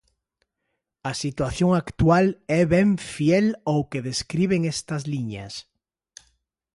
A situación actual e ben fiel ao que describen estas liñas.